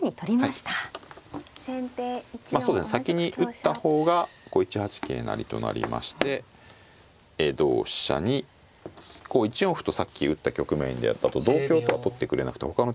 先に打った方がこう１八桂成と成りまして同飛車にこう１四歩とさっき打った局面だと同香とは取ってくれなくてほかの手指されてしまいます。